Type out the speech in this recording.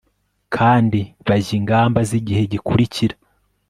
kandi bajya ingamba z'igihe gikurikira